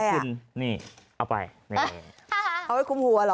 เอาไปคุมหัวหรอ